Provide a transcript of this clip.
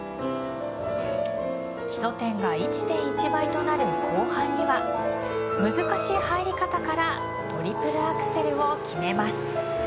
基礎点が１．１倍となる後半には難しい入り方からトリプルアクセルを決めます。